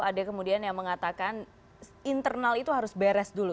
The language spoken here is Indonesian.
ada kemudian yang mengatakan internal itu harus beres dulu